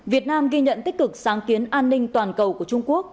việt nam ghi nhận tích cực sáng kiến an ninh toàn cầu của trung quốc